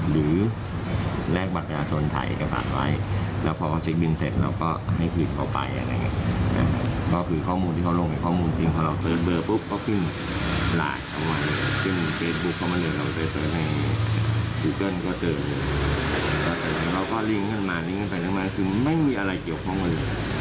เราก็ลิ้งขึ้นมาลิ้งขึ้นไปขึ้นมาคือไม่มีอะไรเกี่ยวของมัน